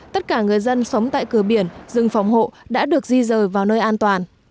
tất cả người dân sống tại cửa biển rừng phòng hộ đã được di rời vào nơi an toàn